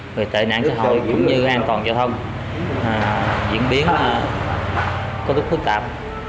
người tệ nạn xã hội cũng như an toàn giao thông diễn biến có lúc phức tạp